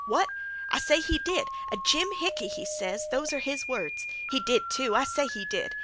What? I say he did. 'A jimhickey,' he ses—those 'r his words. He did, too. I say he did.